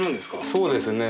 そうですね。